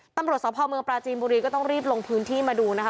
ตำรวจสภเมืองปราจีนบุรีก็ต้องรีบลงพื้นที่มาดูนะคะ